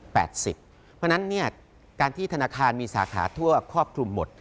เพราะฉะนั้นการที่ธนาคารมีสาขาทั่วครอบคลุมหมด